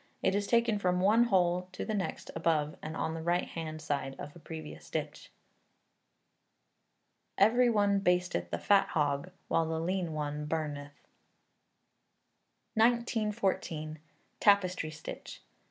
It is taken from one hole to the next above, and on the right hand side of a previous stitch. [EVERY ONE BASTETH THE FAT HOG, WHILE THE LEAN ONE BURNETH.] 1914. Tapestry Stitch.